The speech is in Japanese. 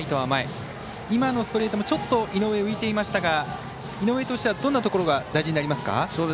今のストレートもちょっと井上、浮いていましたが井上としてはどんなところが大事になりますか。